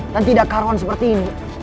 dan tidak karuan seperti ini